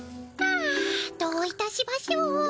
あどういたしましょう。